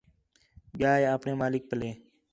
ڳِیا ہے آپݨے مالک پلّے